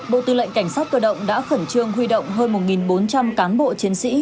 bộ tư lệnh cảnh sát cơ động đã khẩn trương huy động hơn một bốn trăm linh cán bộ chiến sĩ